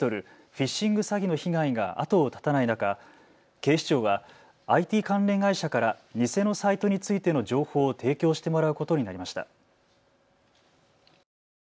フィッシング詐欺の被害が後を絶たない中、警視庁はＩＴ関連会社から偽のサイトについての情報を提供してもらうことになりました。